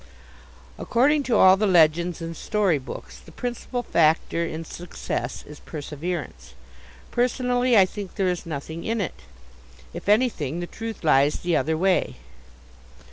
According to all the legends and story books, the principal factor in success is perseverance. Personally, I think there is nothing in it. If anything, the truth lies the other way.